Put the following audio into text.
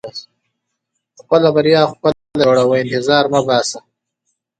• خپله بریا خپله جوړوه، انتظار مه باسې.